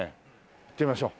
行ってみましょう。